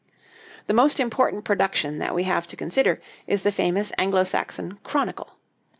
The most important production that we have to consider is the famous Anglo Saxon 'Chronicle.'